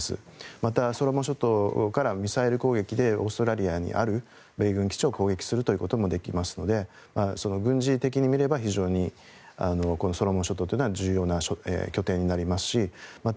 また、ソロモン諸島からミサイル攻撃でオーストラリアにある米軍基地を攻撃することもできますので軍事的に見れば非常にこのソロモン諸島というのは重要な拠点になりますしまた、